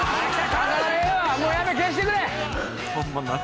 もう消してくれ！